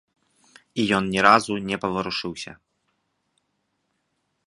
І ён ні разу не паварушыўся.